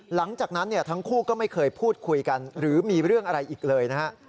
หลังจากนั้นทั้งคู่ก็ไม่เคยพูดคุยกันหรือมีเรื่องอะไรอีกเลยนะฮะ